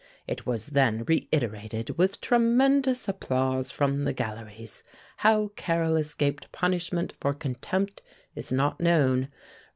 It was then reiterated with tremendous applause from the galleries. How Carrel escaped punishment for contempt is not known.